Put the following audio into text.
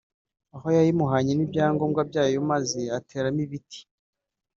aho yayimuhanye n’ibyangombwa byayo maze ateramo ibiti